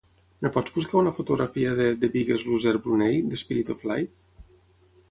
Em pots buscar una fotografia de "The Biggest Loser Brunei: The Spirit of Life"?